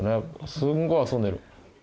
すんごい遊んでる。